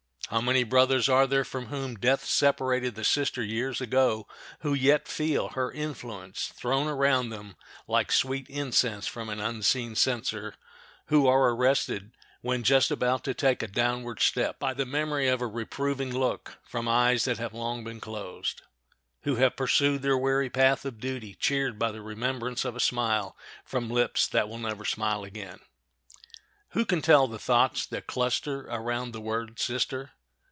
How many brothers are there from whom death separated the sister years ago who yet feel her influence thrown around them like sweet incense from an unseen censer; who are arrested, when just about to take a downward step, by the memory of a reproving look from eyes that have long been closed; who have pursued their weary path of duty, cheered by the remembrance of a smile from lips that will never smile again! Who can tell the thoughts that cluster around the word sister?